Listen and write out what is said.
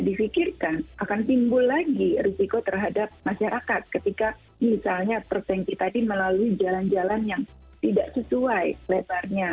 difikirkan akan timbul lagi risiko terhadap masyarakat ketika misalnya perfanki tadi melalui jalan jalan yang tidak sesuai lebarnya